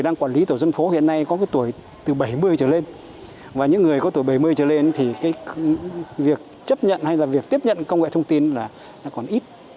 đang quản lý tổ dân phố hiện nay có cái tuổi từ bảy mươi trở lên và những người có tuổi bảy mươi trở lên thì cái việc chấp nhận hay là việc tiếp nhận công nghệ thông tin là nó còn ít